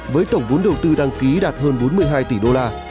với tổng vốn đầu tư đăng ký đạt hơn bốn mươi hai tỷ đô la